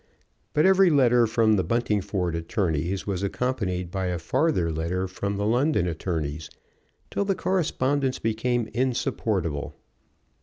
But every letter from the Buntingford attorneys was accompanied by a farther letter from the London attorneys, till the correspondence became insupportable.